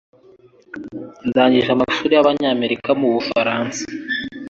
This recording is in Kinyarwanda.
Ndangije amashuri y'Abanyamerika mu Bufaransa.